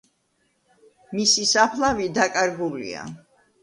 მისი საფლავი დაკარგულია.